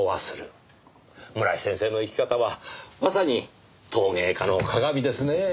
村井先生の生き方はまさに陶芸家の鑑ですねぇ。